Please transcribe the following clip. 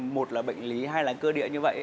một là bệnh lý hai là cơ địa như vậy